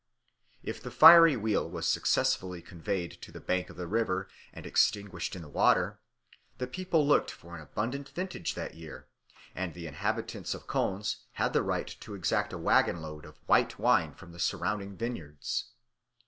If the fiery wheel was successfully conveyed to the bank of the river and extinguished in the water, the people looked for an abundant vintage that year, and the inhabitants of Konz had the right to exact a waggon load of white wine from the surrounding vineyards.